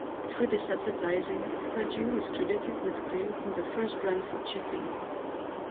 Through this advertising, Perdue is credited with creating the first brand for chicken.